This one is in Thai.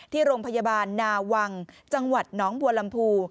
ที่โรงพยาบาลนาวังจังหวัดน้องบัวลำพู